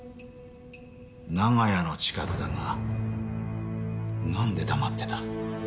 長屋の近くだがなんで黙ってた？